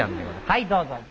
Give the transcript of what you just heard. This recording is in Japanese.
はいどうぞ。